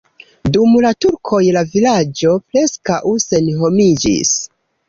Dum la turkoj la vilaĝo preskaŭ senhomiĝis.